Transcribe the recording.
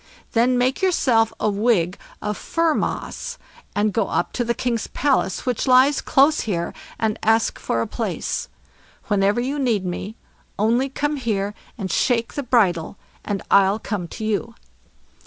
Then make yourself a wig of fir moss, and go up to the king's palace, which lies close here, and ask for a place. Whenever you need me, only come here and shake the bridle, and I'll come to you."